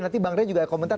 nanti bang ray juga komentar